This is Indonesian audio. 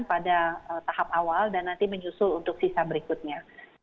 pada tahap awal dan nanti menyusul untuk sisa berikutnya